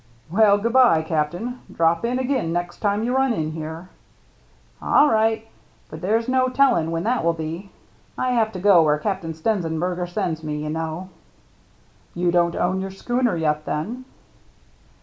Well, good by, Captain. Drop ?n again next time you run in here." "All right. But there's no telling when that will be. I have to go where Captain Stenzenberger sends me, you know." " You don't own your schooner yet, then